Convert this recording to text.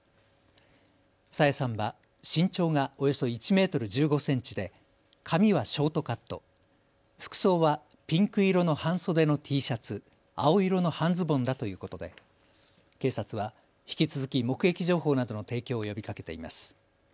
朝芽さんは身長がおよそ１メートル１５センチで、髪はショートカット、服装はピンク色の半袖のＴシャツ青色の半ズボンだということで、警察は引き続き目撃情報などの提供を呼びかけています。